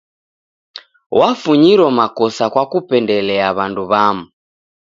Wafunyiro makosa kwa kupendelia w'andu w'amu.